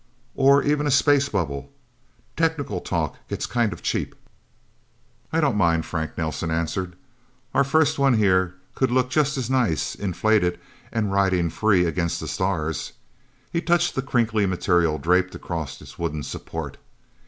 Or even a 'space bubble.' Technical talk gets kind of cheap." "I don't mind," Frank Nelsen answered. "Our first one, here, could look just as nice inflated, and riding free against the stars." He touched the crinkly material, draped across its wooden support.